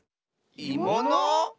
いもの？